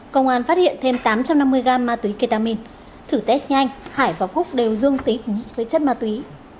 công an phát hiện thêm tám trăm năm mươi gram ma túy ketamin thử test nhanh hải và phúc đều dương tính với chất ma túy